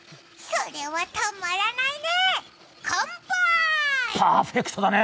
それはたまらないね！